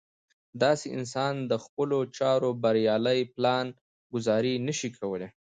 داسې انسان د خپلو چارو بريالۍ پلان ګذاري نه شي کولی.